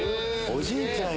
おじいちゃん